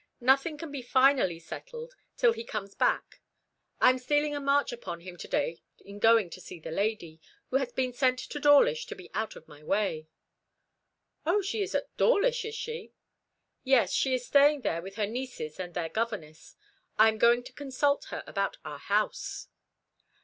Nothing can be finally settled till he comes back. I am stealing a march upon him to day in going to see the lady who has been sent to Dawlish to be out of my way." "O, she is at Dawlish, is she?" "Yes; she is staying there with her nieces and their governess. I am going to consult her about our house."